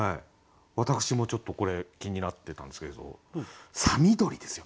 私もちょっとこれ気になってたんですけどさ緑ですよ。